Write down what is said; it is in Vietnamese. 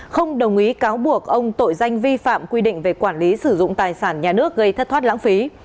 không đồng ý cáo buộc ông tội danh vi phạm quy định về quản lý sử dụng tài sản nhà nước gây thất thoát lãng phí